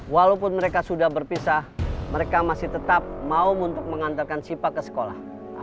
walaupun mereka sudah berpisah mereka masih tetap mau untuk mengantarkan sipa ke sekolah